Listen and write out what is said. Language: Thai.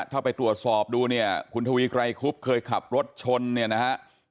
ถ้าไปตรวจสอบดูเนี่ยคุณทวีไกรคุบเคยขับรถชนเนี่ยนะฮะ